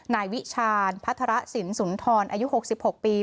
นายวิชาณพัฒระสินสุนทรอายุ๖๖ปี